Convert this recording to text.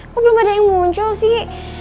kok belum ada yang muncul sih